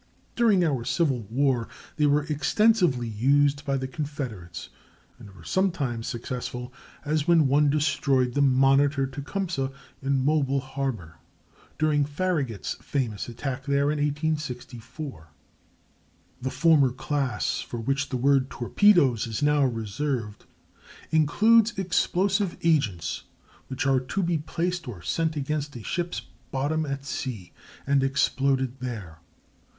During our Civil War they were extensively used by the Confederates, and were sometimes successful, as when one destroyed the monitor Tecumseh in Mobile harbor, during Farragut's famous attack there in 1864. [Illustration: THE MONITOR "TECUMSEH" SUNK BY A TORPEDO AT MOBILE, 1864.] The former class, for which the word torpedoes is now reserved, includes explosive agents which are to be placed or sent against a ship's bottom at sea and exploded there.